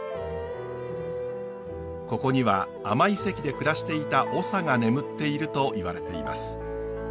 ここには安満遺跡で暮らしていた長が眠っていると言われています。